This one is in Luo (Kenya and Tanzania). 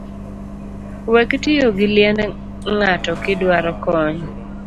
Wek tiyo gi liend ng’ato kiduaro kony